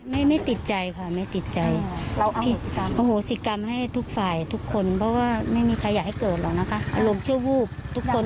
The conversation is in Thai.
ไม่ไม่ติดใจค่ะไม่ติดใจเราโหสิกรรมให้ทุกฝ่ายทุกคนเพราะว่าไม่มีใครอยากให้เกิดหรอกนะคะอารมณ์ชั่ววูบทุกคน